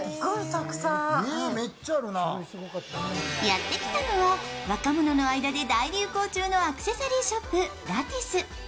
やってきたのは若者の間で大流行中のアクセサリーショップ・ラティス。